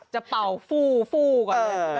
จะเป่าฟู้ก่อน